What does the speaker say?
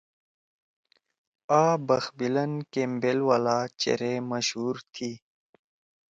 آں بخت بلند کیمبیل والا چیرے مشہُور تھی۔